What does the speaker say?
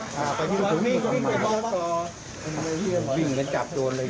หัววิ่งกันจับโดนเลย